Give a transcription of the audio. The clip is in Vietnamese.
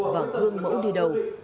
và hướng mẫu đi đầu